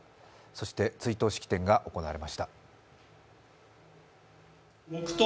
そして追悼式典が行われました。